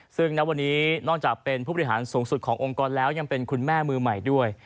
ซึ่งณวันนี้นอกจากเป็นผู้บริหารสูงสุดขององค์กรแล้วยังเป็นคุณแม่มือใหม่ด้วย